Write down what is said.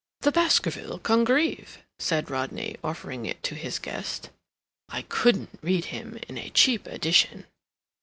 "The Baskerville Congreve," said Rodney, offering it to his guest. "I couldn't read him in a cheap edition."